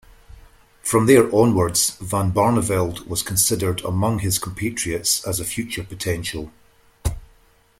From there onwards, Van Barneveld was considered among his compatriots as a future potential.